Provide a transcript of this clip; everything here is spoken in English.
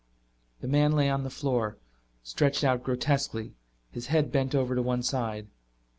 The man lay on the floor, stretched out grotesquely, his head bent over to one side.